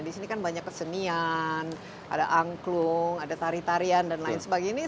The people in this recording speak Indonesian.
di sini kan banyak kesenian ada angklung ada tari tarian dan lain sebagainya